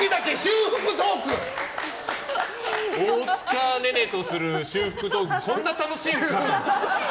大塚寧々とする修復トークこんな楽しいのか。